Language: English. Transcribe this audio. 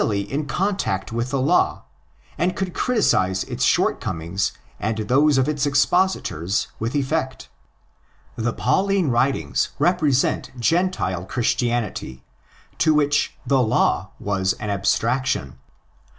82 THE ORIGINS OF CHRISTIANITY in contact with the law, and could criticise its short comings and those of its expositors with effect. The Pauline writings represent Gentile Christianity, to which "' the law' was an abstraction.